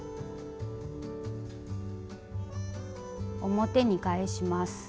表に返します。